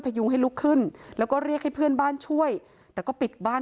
ยุงให้ลุกขึ้นแล้วก็เรียกให้เพื่อนบ้านช่วยแต่ก็ปิดบ้าน